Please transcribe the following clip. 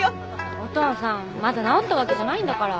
お父さんまだ治ったわけじゃないんだから。